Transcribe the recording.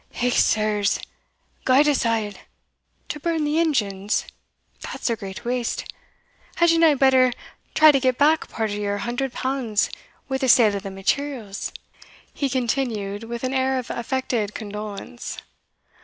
"Hech, sirs! guide us a'! to burn the engines? that's a great waste Had ye na better try to get back part o' your hundred pounds wi' the sale o' the materials?" he continued, with a tone of affected condolence.